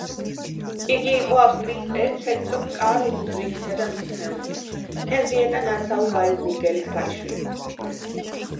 იგი იყო ავსტრიის ერცჰერცოგ კარლ ლუდვიგისა და მისი მეუღლის, ჰენრიეტა ნასაუ-ვაილბურგელის ქალიშვილი.